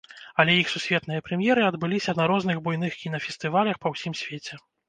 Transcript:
Але іх сусветныя прэм'еры адбыліся на розных буйных кінафестывалях па ўсім свеце.